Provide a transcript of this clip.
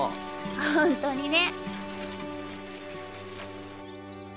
ホントにね。